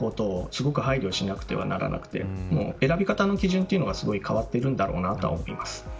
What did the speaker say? すごく配慮しなくてはならなくて選び方の基準が、すごく変わってるんだろうなと思います。